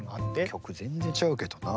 曲全然違うけどな。